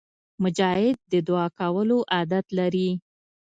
مجاهد د دعا کولو عادت لري.